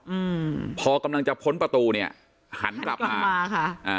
อืมพอกำลังจะพ้นประตูเนี้ยหันกลับมามาค่ะอ่า